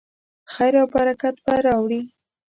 خیر او برکت به راوړي.